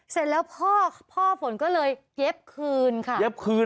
เสร็จแล้วพ่อพ่อฝนก็เลยเย็บคืนค่ะเย็บคืน